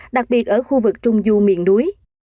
đặc biệt ở khu vực trung du miền núi